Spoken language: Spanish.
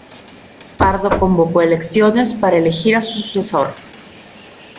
Pardo convocó a elecciones para elegir a su sucesor.